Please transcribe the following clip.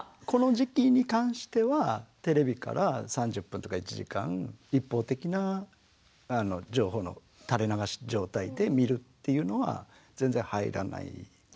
この時期に関してはテレビから３０分とか１時間一方的な情報の垂れ流し状態で見るっていうのは全然入らない。